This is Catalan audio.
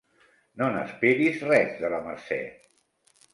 No n'esperis res, de la Mercè.